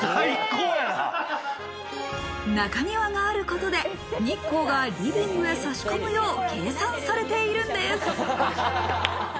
中庭があることで日光がリビングへ差し込むよう計算されているんです。